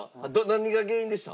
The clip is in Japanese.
何が原因でした？